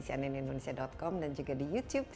cnnindonesia com dan juga di youtube